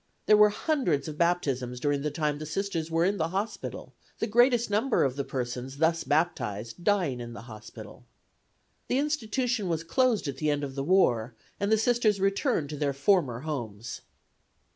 There were hundreds of baptisms during the time the Sisters were in the hospital, the greatest number of the persons thus baptized dying in the hospital. The institution was closed at the end of the war, and the Sisters returned to their former homes.